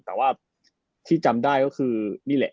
แต่ว่าที่จำได้ก็คือนี่แหละ